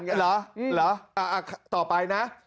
หรอต่อไปนะ